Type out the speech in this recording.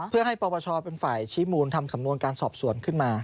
เพื่อให้ปปชเป็นฝ่ายชี้มูลทำสำนวนการสอบสวนขึ้นมา